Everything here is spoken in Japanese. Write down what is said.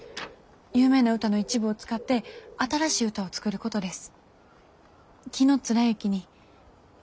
有名な歌の一部を使って新しい歌を作ることです。